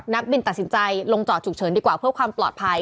นักบินตัดสินใจลงจอดฉุกเฉินดีกว่าเพื่อความปลอดภัย